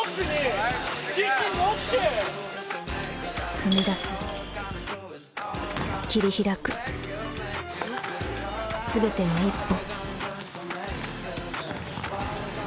踏み出す、切り開く全ての一歩。